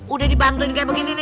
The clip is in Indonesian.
udah dibantuin kayak begini nih